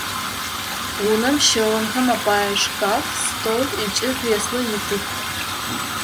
Унэм щыгъынхэм апае шкаф, стол ыкӏи креслэ итых.